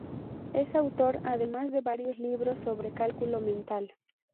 Es autor además de varios libros sobre cálculo mental.